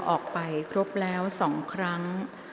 ออกไปครบแล้ว๒ครั้ง